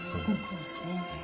そうですね。